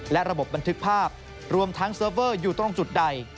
และระบบบันทึกภาพรวมทั้งเซิร์ฟเวอร์อยู่ตรงจุดใด